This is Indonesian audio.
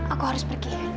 aku harus pergi